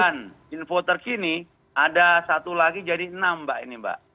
dan info terkini ada satu lagi jadi enam mbak ini mbak